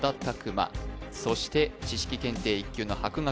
馬そして知識検定１級の博学